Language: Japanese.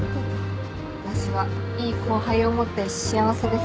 私はいい後輩を持って幸せです。